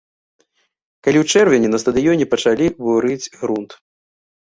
Калі ў чэрвені на стадыёне пачалі бурыць грунт.